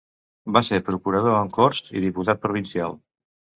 Va ser Procurador en Corts i diputat provincial.